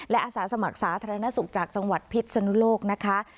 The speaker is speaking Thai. และอาสาสมัครสาธารณสุขจากจังหวัดพิษสนุโลกนะคะ